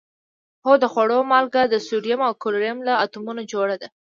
هو د خوړلو مالګه د سوډیم او کلورین له اتومونو جوړه ده